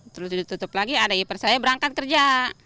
terus ditutup lagi ada hipert saya berangkat kerja